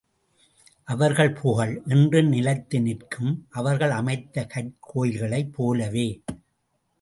அவர்கள் புகழ் என்றும் நிலைத்து நிற்கும், அவர்கள் அமைத்த கற்கோயில்களைப் போலவே.